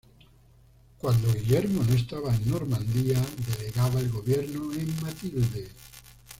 Cuando Guillermo no estaba en Normandía, delegaba el gobierno en Matilde.